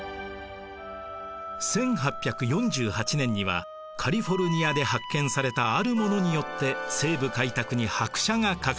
１８４８年にはカリフォルニアで発見されたあるものによって西部開拓に拍車がかかります。